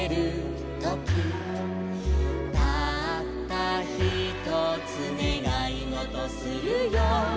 「たったひとつねがいごとするよ」